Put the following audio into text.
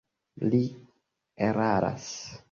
Li eraras.